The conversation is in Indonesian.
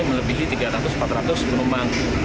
melebihi tiga ratus empat ratus penumpang